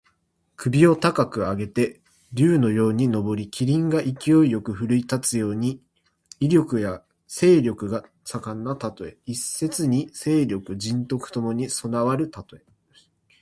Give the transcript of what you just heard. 首を高く上げて竜のように上り、麒麟が勢いよく振るい立つように、威力や勢力が盛んなたとえ。一説に勢力・仁徳ともに備わるたとえ。